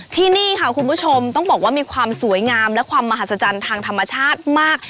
ที่นี่ค่ะคุณผู้ชมต้องบอกว่ามีความสวยงามและความมหัศจรรย์ทางธรรมชาติมาก